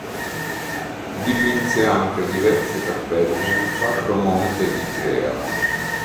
Dipinse anche diverse cappelle nel Sacro Monte di Crea.